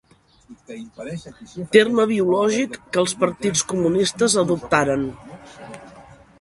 Terme biològic que els partits comunistes adoptaren.